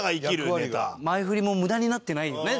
前フリも無駄になってないよね